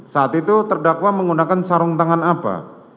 saat itu terdakwa menggunakan sarung tangan apa